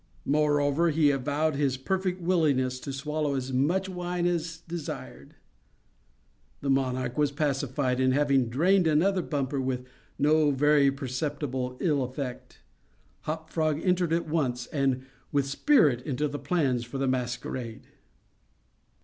Moreover, he avowed his perfect willingness to swallow as much wine as desired. The monarch was pacified; and having drained another bumper with no very perceptible ill effect, Hop Frog entered at once, and with spirit, into the plans for the masquerade.